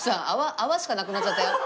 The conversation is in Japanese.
泡しかなくなっちゃったよ。